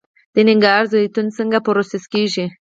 د ننګرهار زیتون څنګه پروسس کیږي؟